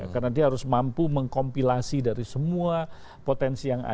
karena dia harus mampu mengkompilasi dari semua potensi